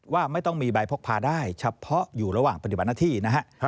ว่าไม่ต้องมีใบพกพาได้เฉพาะอยู่ระหว่างปฏิบัติหน้าที่นะฮะ